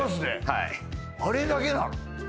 はいあれだけなの？